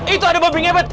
itu ada babi ngepet